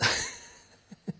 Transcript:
ハハハハハ。